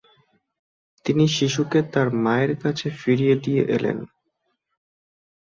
তিনি শিশুকে তার মায়ের কাছে ফিরিয়ে দিয়ে এলেন।